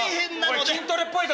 おお筋トレっぽいぞ！